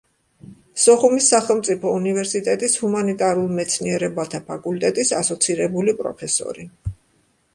სოხუმის სახელმწიფო უნივერსიტეტის ჰუმანიტარულ მეცნიერებათა ფაკულტეტის ასოცირებული პროფესორი.